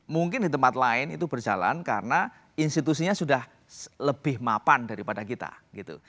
mungkin di tempat lain itu berjalan karena institusinya sudah lebih mapan daripada kita gitu